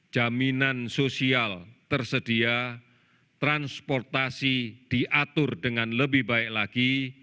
jaminan sosial tersedia transportasi diatur dengan lebih baik lagi